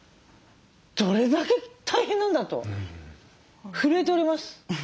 どれだけ大変なんだと震えております。